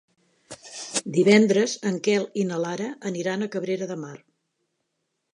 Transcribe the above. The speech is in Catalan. Divendres en Quel i na Lara aniran a Cabrera de Mar.